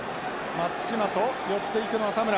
松島と寄っていくのは田村。